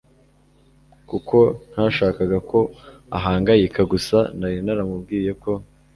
kuko ntashakaga ko ahangayika gusa nari naramubwiye ko